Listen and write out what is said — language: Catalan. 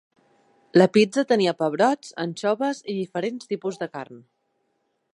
La pizza tenia pebrots, anxoves i diferents tipus de carn.